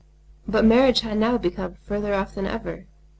But marriage had now become further off than ever.